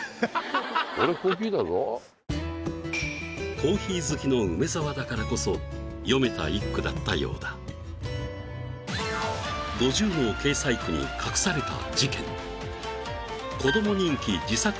コーヒー好きの梅沢だからこそ詠めた一句だったようだ５０の掲載句に隠された事件何？